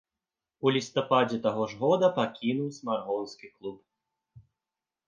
У лістападзе таго ж года пакінуў смаргонскі клуб.